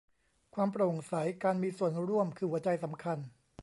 ความโปร่งใส การมีส่วนร่วม คือหัวใจสำคัญ